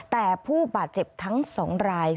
แต่ผู้บาดเจ็บทั้ง๒ราย